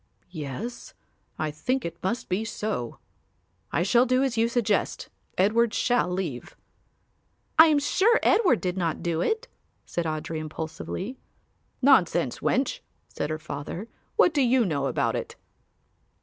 "Yes, I think it must be so; I shall do as you suggest. Edward shall leave." "I am sure Edward did not do it," said Audry impulsively. "Nonsense, wench," said her father, "what do you know about it?"